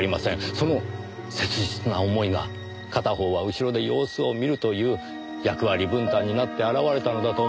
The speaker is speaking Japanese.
その切実な思いが片方は後ろで様子を見るという役割分担になって表れたのだと思いますよ。